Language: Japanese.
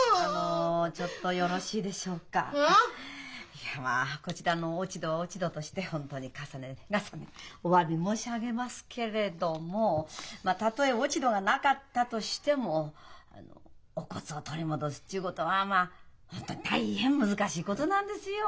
いやまあこちらの落ち度は落ち度として本当に重ね重ねおわび申し上げますけれどもまあたとえ落ち度がなかったとしてもあのお骨を取り戻すっちゅうことはまあ本当大変難しいことなんですよ。